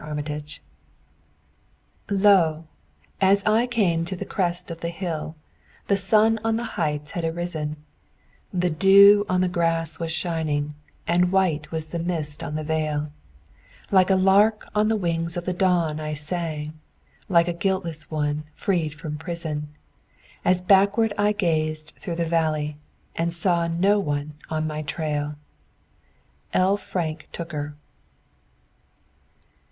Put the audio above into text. ARMITAGE" Lo! as I came to the crest of the hill, the sun on the heights had arisen, The dew on the grass was shining, and white was the mist on the vale; Like a lark on the wing of the dawn I sang; like a guiltless one freed from his prison, As backward I gazed through the valley, and saw no one on my trail. L. Frank Tooker.